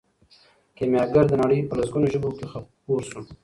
کیمیاګر د نړۍ په لسګونو ژبو کې خپور شو.